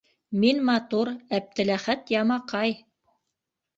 Мин матур, Әптеләхәт ямаҡай!